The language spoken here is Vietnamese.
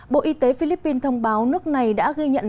bộ y tế philippines thông báo nước này đã gây nhiễm bệnh